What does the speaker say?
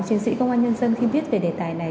chiến sĩ công an nhân dân khi viết về đề tài này